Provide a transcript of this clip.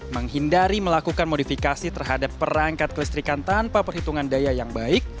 menghindari melakukan modifikasi terhadap perangkat kelistrikan tanpa perhitungan daya yang baik